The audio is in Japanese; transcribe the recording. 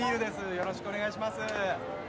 よろしくお願いします。